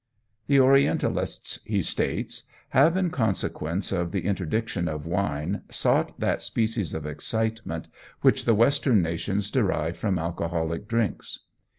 "The Orientalists," he states, "have in consequence of the interdiction of wine sought that species of excitement which the Western nations derive from alcoholic drinks."